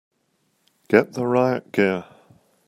Get the riot gear!